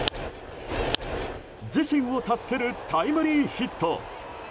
自身を助けるタイムリーヒット！